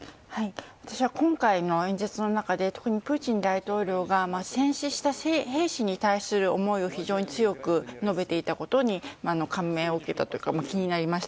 私は今回の演説の中で特にプーチン大統領が戦死した兵士に対する思いを非常に強く述べていたことに感銘を受けたというか気になりました。